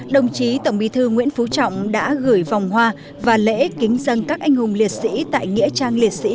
đồng chí tổng bí thư nguyễn phú trọng đã gửi vòng hoa và lễ kính dân các anh hùng liệt sĩ